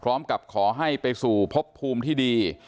พร้อมกับขอให้ไปสู่พบภูมิที่ดี